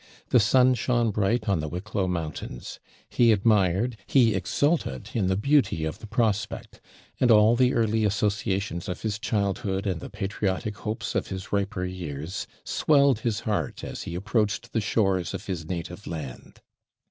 The sun shone bright on the Wicklow mountains. He admired, he exulted in the beauty of the prospect; and all the early associations of his childhood, and the patriotic hopes of his riper years, swelled his heart as he approached the shores of his native land.